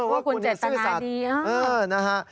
ว่าคุณเนี่ยซื่อสัตว์ว่าคุณเจ็ดตนาดีนะ